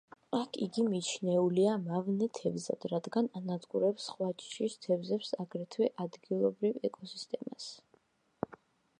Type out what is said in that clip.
აქ იგი მიჩნეულია მავნე თევზად, რადგან ანადგურებს სხვა ჯიშის თევზებს, აგრეთვე ადგილობრივ ეკოსისტემას.